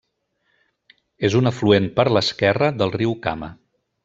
És un afluent per l'esquerra del riu Kama.